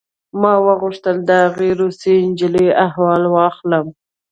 ما غوښتل د هغې روسۍ نجلۍ احوال واخلم